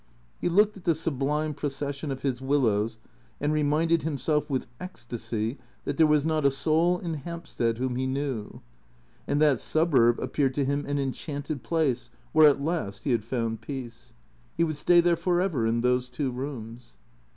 He looked at the sublime procession of his willows and reminded himself with ecstasy that there was not a soul in Hampstead whom he knew. And that suburb appeared to him an enchanted place where at THECEEATOKS 17 last he had found peace. He would stay there for ever, in those two rooms.